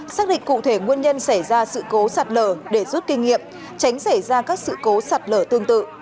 xác định cụ thể nguyên nhân xảy ra sự cố sạt lở để rút kinh nghiệm tránh xảy ra các sự cố sạt lở tương tự